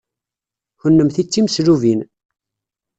Kennemti d timeslubin.